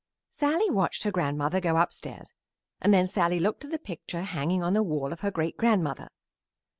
Sallie watched her grandmother go upstairs and then Sallie looked at the picture hanging on the wall of her great grandmother.